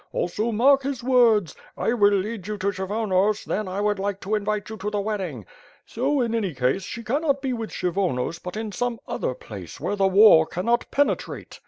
Also mark his words, *I will lead you to Kshyvonos then I would like to invite you to the wedding,' so, in any case, she cannot be with Kshyvonos but in some other place, where the war cannot penetrate."